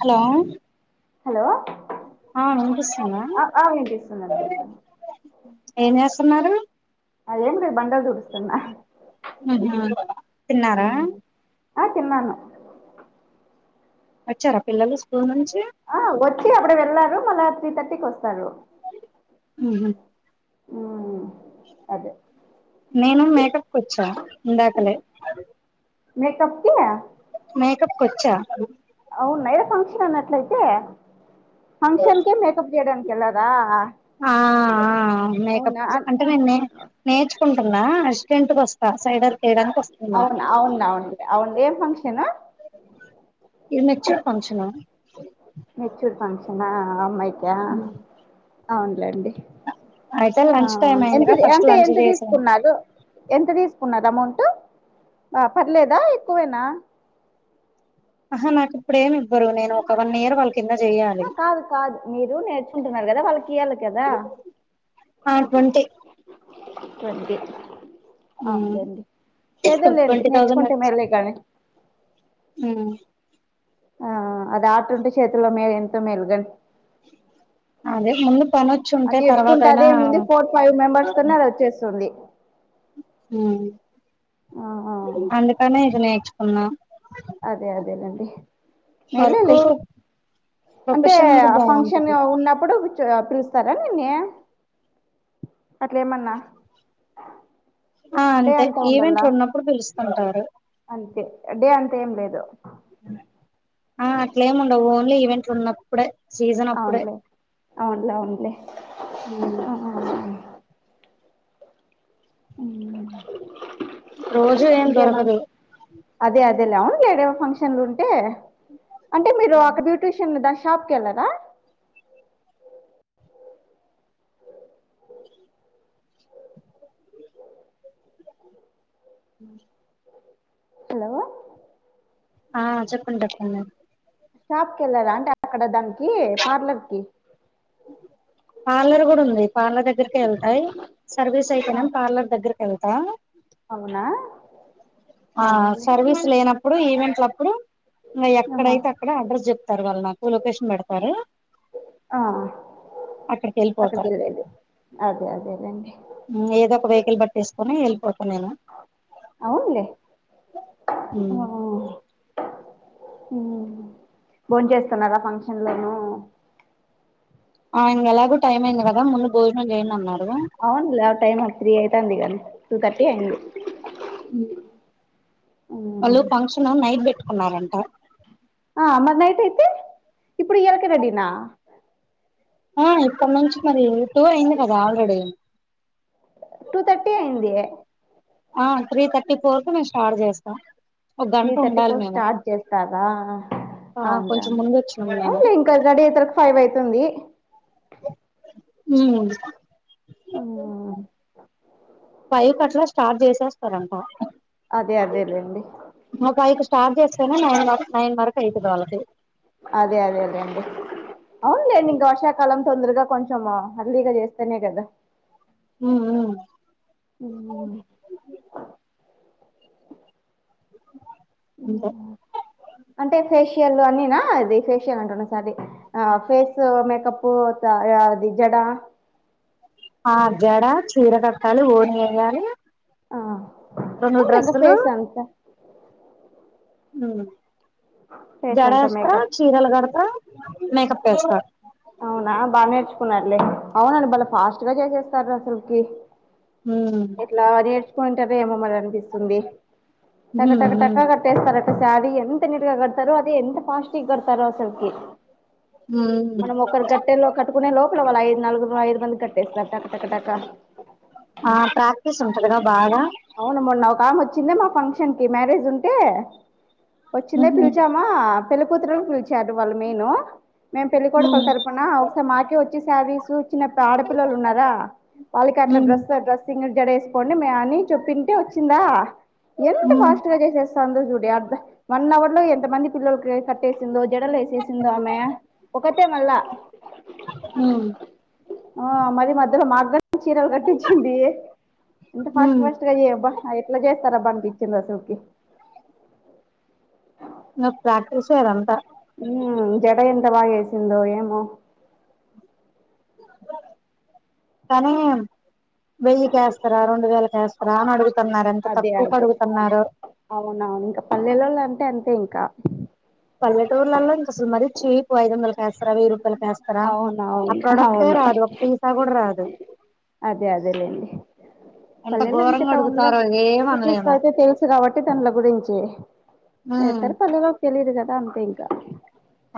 Hello! Hello ఆ వినిపిస్తుందా ఆ వినిపిస్తుంది అండి. ఏం చేస్తున్నారు? అదేం లేదు బండల్ తుడుస్తున్నావ్. అహ తిన్నారా. ఆ తిన్నాను. అచార పల్లలు స్కూల్ నుంచి. ఆ వచ్చి అప్పుడే వెళ్ళారు మళ్ళ త్రీ థర్టీకి వస్తారు. ఉహు. ఆ. నేను మేకప్కి వచ్చా ఇందాకలే. మేకప్కి. మేకప్ కొచ్చా. వున్నయ ఎ ఫంక్షన్ అన్నట్లయితే ఫంక్షన్ కి మేకప్ చేయడానికి వెళ్ళరా. ఆ ఆ మేకప్ అంటే నేన్ నేచ. కుంటుందా అసిస్టెంట్ గా వస్తా సైడ. అవునా అవునువును అవును ఏం ఫంక్షన్. ఇ మెచ్యూర్ ఫంక్షను. మెచ్యూర్ ఫంక్షనా అమ్మాయికా. ఆ అయితే లంచ్ టైమ్ ఎంత అయిందిగా ఫస్ట్ అంటే లంచ్ ఎంత చేసాను తీసుకున్నారు ఎంత తీసుకున్నారు. అమౌంట్ పర్లేద ఎక్కువనే నా. హ నాకు ఇప్పుడు ఏమి ఇవ్వరు నేను ఒక వన్ ఇయర్ వారకు. ఆ కాదు కాదు మీరు నేర్చుంటున్నారు కదా వాళ్ళ. తీయాలా కదా. ఆ ట్వంటీ అవునులేండి ఏదోలేండి ట్వంటీ నేర్చుకుంటే థౌజండ్ మేళ్ళే కానీ. ఉమ్. ఆ అది ఆటుంటే చేతులో మే ఎంతో మేలు గా. అదే ముందు. అది పనోచ్చింటే తర్వాత నేర్చుకుంటే అయినా. అదేముంది ఫోర్ ఫైవ్ మెంబర్స్ తోనే అది వచ్చేస్తుంది ఆ ఆ, అందుకనే ఇది నేర్చుకున్న. అదే అదేలెండి‌. వర్క్ వెలుళి అంటే ప్రొఫెషనల్ గా ఫంక్షన్ బాగుంటది ఉన్నప్పుడు. పిలుస్తారా నిన్నే అట్ల ఏమన్నా. ఆ అంటే ఈవెంట్లు ఉన్నప్పుడు పిలుస్తుంటారు. అంతే డే అంత ఏం లేదు. ఆ అట్లేముండవు ఓన్లీ ఈవెంట్లు ఉన్నప్పుడే. సీజన్ అప్పుడే అవునులే అవున్లే అవున్లే. హ. ఉమ్ ఇంకా. రోజు ఏం దొరకదు. వు లేడే ఫంక్షన్లు ఉంటే అంటే మీరు ఒక బ్యూటీషియన్ దర్. షాప్ కెల్లనా. హలో. ఆ చెప్పండి అక్క అనేది. షాప్ కి వెళ్ళారా అంటే అక్కడ దానికి పార్లర్ కి‌‌. పార్లర్ కూడా ఉంది పార్లర్ దగ్గరక వెళ్తాయి సర్వీస్ ఆ అయితేనాం పార్లర్ దగ్గర. ఎల్తా. అవునా. ఆ అవునులే సర్వీస్ లేనప్పుడు ఈవెంట్లప్పుడు. ఆహా ఎక్కడైతే అక్కడ అడ్రస్ చెప్తారు వాళ్ళు నాకు లొకేషన్ పెడతారు. ఆ అక్కడికి వెళ్ళలేది అదే అదేదండి. ఏదో ఒక వెహికల్ బట్ట్టేసుకొని వెళ్ళిపోతా నేను. అవునులే ఆ భోన్ చేస్తున్నారా ఫంక్షన్లను ఆ ఇంగ ఎలాగో టైం అయింది కదా ముందు భోజనం చేయండి అన్నారు అవును లే ఆ టైమ్ త్రీ అయితంది గాని టూ థర్టీ ఉన్నారంట ఆ మరి నైట్ అయితే ఇప్పుడు ఇయలకె రెడినా ఆ ఇప్పటి నుంచి మరి టూ అయింది కదా ఆల్రెడీ టూ తథర్టీ అయింది ఆ త్రీ థర్టీ ఫోర్ కి మేము స్టార్ట్ చేస్తాం ఒక త్రీ గంట థర్టీ ఉండాలి ఫోర్ మేము స్టార్ట్ చేస్తాదా ఆ అవునులే కొంచెం అవునులే ముందు వచ్చినాం మేము అవులే ఇంకా రడేతరకు ఫైవ్ అవుతుంది ఉమ్ ఫైవ్ కాట్లా స్టార్ట్ చేసేస్తారంట అదే అదే లేండి ఫైవ్ కి స్టార్ట్ చేస్తేనే నైన్ వా నైన్ వరకు అయితది వాళ్ళకి అదే అదే అదే అండి అవునులేండి ఇంకా వర్షాకాలం తొందరగా కొంచెం అర్లిగా చేస్తేనే కదా అ అంతే అంటే ఫ్రెష్ యల్ అన్ని ఫేషియల్ అన్ని అంట ఫేస్ మేకప్ ఆ అది జడ త్త ఆ జడ చీర కట్టాలి ఓని వేయాలి ఆ రెండు అవునులే ఇంకా డ్రెస్సులు ఫేస్ అంత ఫేస్ జడ అంతా ఎస్త మేకప్ చీరలు గడత మేకప్ ఏస్త కునారు లే అవునండి బలే ఫాస్ట్ గా చేసేస్తారా అసలుకి ఉమ్ కుంటారు ఏమో మరి అనిపిస్తుంది అక్క టక ఉమ్ టక కట్టేస్తారు శారీ ఎంత నీట్గా గడతారు అదే ఎంత ఫాస్ట్ గడతారు అసల్కి ఉమ్ మనం ఒకరు కట్టే లో కట్టుకునే లోపల వాళ్లు ఐదు నాలుగు ఐదు మంది కట్టేస్తారు టక టక ఆ ప్రాక్టీస్ ఉంటది గ అవున మొన్న ఒకకాం వచ్చింద మా ఫంక్షన్ కి మ్యారేజ్ ఉంటే వచ్చింద ఉహు పిలిచామా పెళ్లి కూతురుని పిలిచారు వాళ్ళు మెను మేం పెళ్ళికొడుకుల ఉమ్ తరపున ఒకసారి మాకే వచ్చి శారీస్ చిన్న ఆడపిల్లలు ఉన్నారా వాళ్ళకి అట్లా ఉమ్ డ్రస్ డ్రెసింగ్ జడ వేసుకోండి మే అని చెప్పింటే వచ్చిందా ఎంత ఉమ్ ఉమ్ ఫాస్ట్ గా చేసా సందు చూడు అబ్బా వన్ హవర్ లో ఎంత మంది పిల్లలకి లెసిందో జడలు వేసేసిందో ఆమె ఒకతే మళ్ళా ఉమ్ ఆ మరి మధ్యలో మాగ్గ చీరలు కట్టించిది ఎంత ఫాస్ట్ ఇంగ అయ్యోయబ్బా ఎట్లా చేస్తారబ్బా అనిపించింద అసలికి నువ్ ప్రాక్టీస్ చేయ్యరంతా హ జడ ఎంత బా ఏసిందొ ఏమో కానీ వెయ్యికస్తారా రెండు వేలక వస్తారా అని అడుగు అదే అదే అవునవును ఇంకా పల్లెలలో అంటే అంతే ఇంకా కేస్తరా వెయ్యి రూపాయలు కేస్తార ఆ అవునవును ప్రొడక్టే అవును రాదు ఒక సిసా కూడా రాదు అదే అదేలేండి ఎంత పల్లెలో అంతే ఘోరంగా టౌన్ లో అడుగుతారో ఏం సిటీస్ అనలేము అయితే తెలుసు కాబట్టి దానిల గురించి ఉమ్ ఏతర్ పల్లెలో తెలిదు కదా అంతే ఇంకా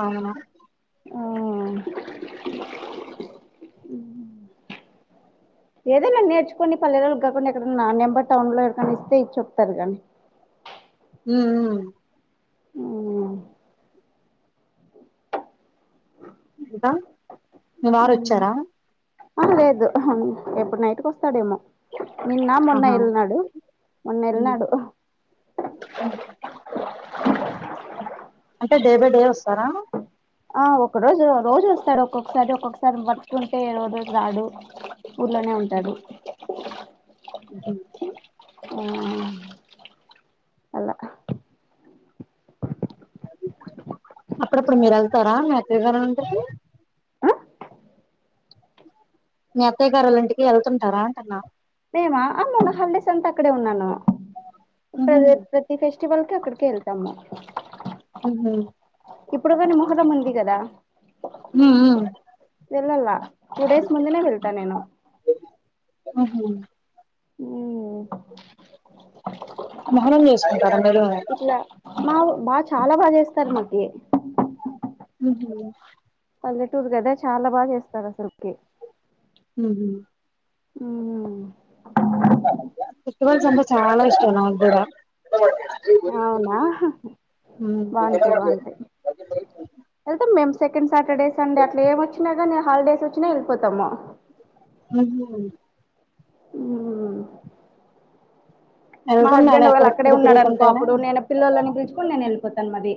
ఆవునా ఆ ఏదైనా నేర్చుకుని పలేల్లోలు కాకుండా ఎక్కడన్నా నెంబర్ టౌన్ లో ఎవరికన్నా ఇస్తే ఇచ్చాతరు గాని హ్మ్మ్ హ్మ్మ్ ఉ ఆ ఇంకా మీ వారు వచ్చారా ఆహా లేదు ఆహా ఎప్పుడు నైట్ కు వస్తాడేమో నిన్న మొన్న ఆహా ఎల్నాడు మొన్న ఉమ్ ఎల్నాడు అంటే డే బై డే వస్తారా ఆ ఒక్క రోజు రోజు వస్తాడు ఒక్కొక్కసారి ఒక్కొక్కసారి మర్తుంటే ఏ రోజు రాడు ఊర్లోనే ఉంటాడు ఉహు. ఆ అలా అప్పుడప్పుడు మీరు వెళ్తారా మీ అత్తయ్య గారు వొళ్ల ఇంటికి ఆ మీ అత్తయ్య గారు వొళ్ల ఇంటికి వెళ్తుంటారా అంటన్నా మీమా మొన్న హల్డెస్ అంత అక్కడే ఉన్నాను ఉహు సరే ప్రతి ఫెస్ట్ టివల్ కి అక్కడికే వెళ్తాము ఉహు ఇప్పుడు కాని మొహరం ఉంది కదా ఉ ఉ వెళ్ళల టూ డేస్ ముందునే వెళ్తా నేను తనకు నా ఉ మోహరం చేసుకుంటారా మీరు మాదు బా చాలా బాగా చేస్తారు మాకి హ్మ్మ్ పల్లెటూరు కదా చాలా బాగా చేస్తారు అసలు కి ఉహు హ్మ్మ్ ఫెస్టివల్స్ చాలా ఇష్టం నాకు కూడా ఆ అవునా ఉమ్ బాగుంటాయి బాగుంటాయి వెళ్తాం మేము సెకండ్ సాటర్డే సండే అట్లా ఏం వచ్చినా గాని హాలిడే సూచన ఏల్పోతమ్ అహు వా హ్మ్మ్ మా వెళ్తున్నారు హస్బెండ్ వాళ్ళు అక్కడే ఎక్కడెక్కడ ఉన్నారు అనుకో తిరుగుతుంటారా అప్పుడు నేను పిల్లలను పీల్చుకొని నేను వెళిపోతాను మది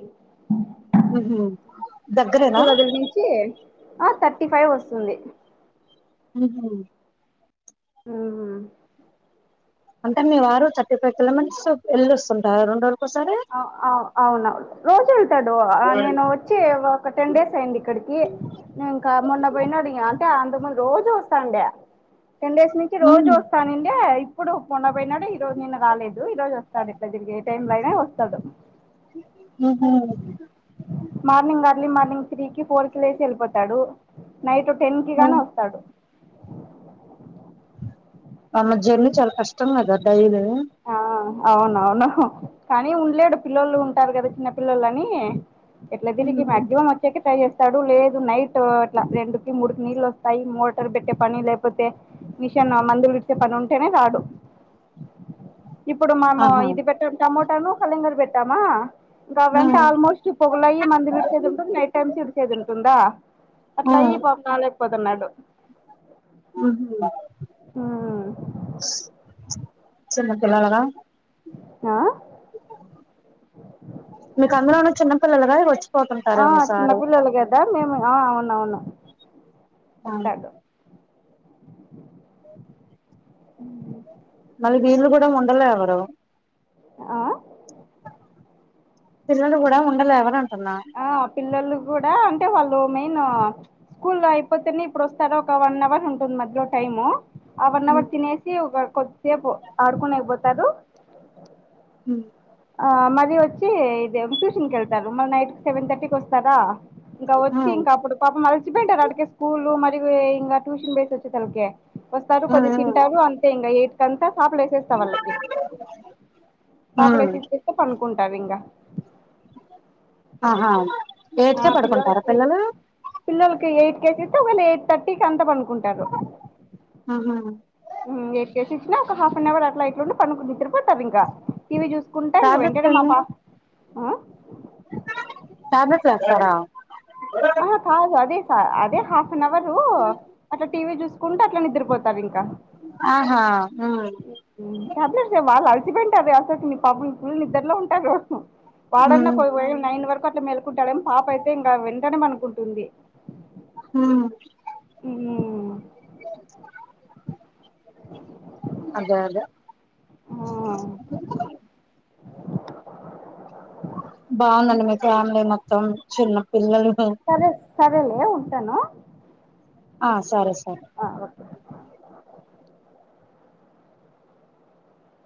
ఉహు దగ్గరేనా స్కూల్ వదిలి నుంచి ఆ థర్టీ ఫైవ్ వస్తు తుంది ఉహు ఉహు అంటే మీ వారు థర్టీ ఫైవ్ కిలోమీటర్స్ వెళ్ళి వస్తుంటార రెండు రోలు ఆ ఆ అవునవును రోజు వెళ్తాడు ఆ నేను వచ్చి ఒక టెన్ డేస్ అయ్యింది ఇక్కడికి నే ఇంకా మొన్న పోయినాడు ఇగా అంటే అంతమం రోజు వస్తాడే టెన్ డేస్ నుంచి రోజు హ్మ్ వస్తానిండే ఏయ్ ఇప్పుడు మొన్న పోయినాడు ఈ రోజు నిన్న రాలేదు ఈ రోజు వస్తాడు ఇట్లా తిరిగి ఏ టైమ్ లో అయినా వస్తాడు ఆహా మార్నింగ్ అర్లీ మార్నింగ్ త్రీ కి ఫోర్ కి లేచి వెళ్ళిపోతాడు నైట్ టెన్ కి గాను వస్తాడు వాళ్ల జర్నీ చాలా కష్టం కదా డైలి ఆ అవునవును కానీ ఉండలేడు పిల్లలు ఉంటారు కదా చిన్న పిల్లలు అని ఎట్లా తిరిగి మాక్సిమం వచ్చే కి ట్రై ఏ తడు లేదు నైట్ అట్లా రెండుకి ముడుకి నీళ్ళు వస్తాయి మోటర్ పెట్టే పని లేకపోతే మిష ఎన్న మందులు ఇచ్చే పని ఉంటేనే రాడు [inaudible] ఇప్పుడు మనము ఆహా ఇది పెట్టాం టమోటాను కలింగాలు పెట్టామా ఆ గదంటే ఆల్మోస్ట్ పొగులయ్యి మంది విడిసేది ఉంటుంది, నైట్ టైమ్స్ విడిసేది ఉంటుందా అట్లా అయి పాపమ్ రాలేకపోతున్నాడు ఉమ్ చిన్న పిల్లలదా ఆ మీకందులోను చిన్నపిల్లలుగా ఆ వచ్చిపోతుంటారేమో మీ సారు అవును హ్మ్. ఒస్తాడు ఉమ్ వీళ్లు గూడా ఉండలే ఎవరు ఆ పిల్లలు గూడా ఉండలే ఎవరన్ ఆ పిల్లలు గూడా అంటే వాళ్ లో మెయిన్ స్కూల్ అయిపోతేనే ఇప్పుడోవస్తార ఒక వన్ అవర్ ఉంటుంది మధ్యలో టైమ్ ఆఫ్ న్ హ్మ్ అవర్ తినేసి ఒక కొద్దిసేపు ఆడుకోనేకిపోతారు హ్మ్ ఆ మరీ వచ్చి ఇది ట్యూషన్కెళ్తారు, మళ్ళీ నైట్ సెవెన్ థర్టీకొస్తారా ఇంకా వచ్చి ఇంకా అప్పుడు పాపం అలిసి పోయింటారుటాటికే స్కూళ్ళు మరియు ఇంకా ట్యూషన్ బోయేస్ వచ్చే సరికే వస్తారు కొద్దిగ హ్మ్ తింటారు అంతే ఇంగా ఎయిట్ కంతా చాపలేసేస్తా వాళ్ళకి పాపలు హ్మ్. ఏసే లేస్తే పండుకుంటారింగ ఆహా ఏటికే పడుకుంటారా పిల్లలు పిల్లోలకి ఎయిట్ కే కైతే ఎయిట్ థర్టీ కి అంత పండుకుంటారు ఆహా ఉమ్ ఎయిట్ కేసి ఇంగ ఒక హాఫ్ అన్ అవర్ అట్లా ఇట్లుండి పండుకు నిదరపోతారింకా, టీ వీ చూసుకుంటా ఇంక టాబ్లెట్స్ వెంటనే మా ఎన్ని పాప్ ఆ న్దే చేస్తారా ఆ హ్ కాదు అదే చ అదే హాఫ్ ఫన్నవరు అట్లా టీ వీ జూసుకుంట అట్ల నిద్రపోతారింక ఆహా హ్మ్ ఉమ్ టాబ్లేట్స్ ఏం వాడ్ల చి పెంటంది అసల్కి మీ పాపం ఫుల్ నిద్దరలో ఉంటారు, వాడన్నా హ్మ్ నైన్ వరకు అట్ల మేల్ కుంటాడగన్ పాప అయితే ఇంకా వెంటనే పండుకుంటుంది. హ్మ్ అదే అదే [inaudible] బావుందండి మీ ఫ్యామిలీ మొత్తం చిన్న పిల్లలు సరే సరేలే ఉంటాను. ఆ సరే సరే ఓకే